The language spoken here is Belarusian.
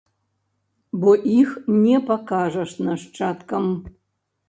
Бо іх не пакажаш нашчадкам.